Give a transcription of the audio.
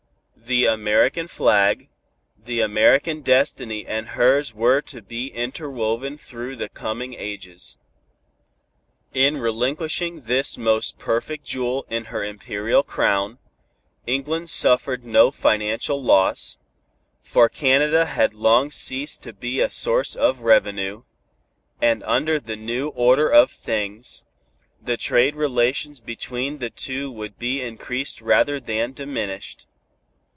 The American flag, the American destiny and hers were to be interwoven through the coming ages. In relinquishing this most perfect jewel in her Imperial crown, England suffered no financial loss, for Canada had long ceased to be a source of revenue, and under the new order of things, the trade relations between the two would be increased rather than diminished.